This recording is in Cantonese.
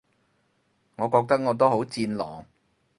我覺得我都好戰狼